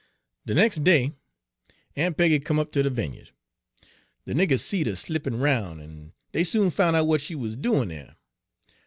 "De nex' day Aun' Peggy come up ter de vimya'd. De niggers seed her slippin' 'roun', en dey soon foun' out what she 'uz doin' dere.